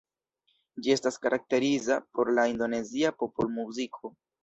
Ĝi estas karakteriza por la indonezia popolmuziko.